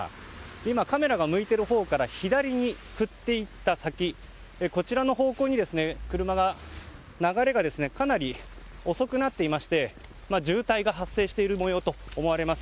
今、カメラが向いているほうから左に振っていった先こちらの方向に、車の流れがかなり遅くなっていまして渋滞が発生している模様と思われます。